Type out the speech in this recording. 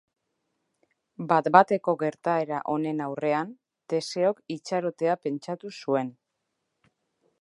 Bat-bateko gertaera honen aurrean, Teseok itxarotea pentsatu zuen.